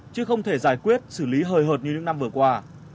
chứ không thể giải quyết xử lý hời hợt như những năm vừa qua